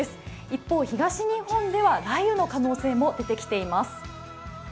一方、東日本では雷雨の可能性も出てきています。